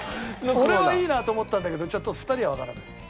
俺はいいなと思ったんだけどちょっと２人はわからない。